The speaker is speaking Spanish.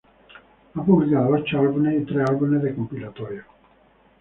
Ha publicado ocho álbumes y tres álbumes de compilatorios.